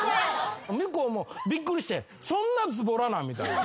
向こうもびっくりしてそんなズボラなん？みたいな。